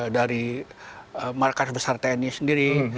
dari markas besar tni sendiri